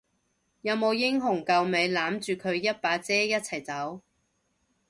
有冇英雄救美攬住佢一把遮一齊走？